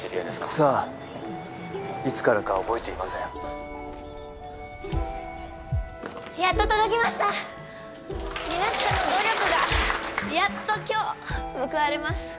さあいつからか覚えていませんやっと届きました皆さんの努力がやっと今日報われます